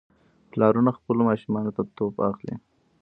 پلارونه خپلو ماشومانو ته توپ اخلي.